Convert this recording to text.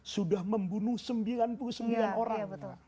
sudah membunuh sembilan puluh sembilan orang